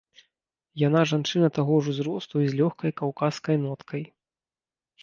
Яна жанчына таго ж узросту з лёгкай каўказскай ноткай.